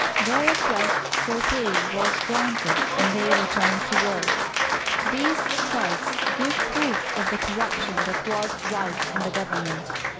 Their request for pay was granted, and they returned to work. These strikes give proof of the corruption that was rife in the government.